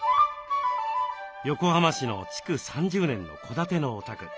横浜市の築３０年の戸建てのお宅。